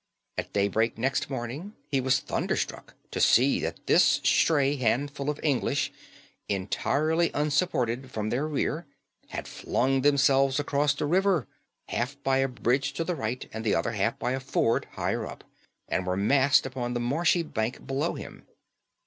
At daybreak next morning he was thunderstruck to see that this stray handful of English, entirely unsupported from their rear, had flung themselves across the river, half by a bridge to the right, and the other half by a ford higher up, and were massed upon the marshy bank below him.